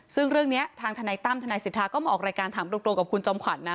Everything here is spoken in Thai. ซึ่งเรื่องนี้ทางทนายตั้มทนายสิทธาก็มาออกรายการถามตรงกับคุณจอมขวัญนะ